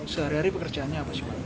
sehari hari pekerjaannya apa sih pak